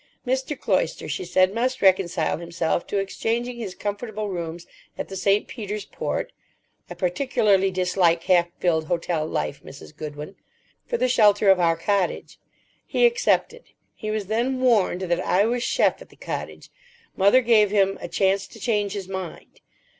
Mr. Cloyster, she said, must reconcile himself to exchanging his comfortable rooms at the St. Peter's Port—("I particularly dislike half filled hotel life, Mrs. Goodwin")—for the shelter of our cottage. He accepted. He was then "warned" that I was chef at the cottage. Mother gave him "a chance to change his mind."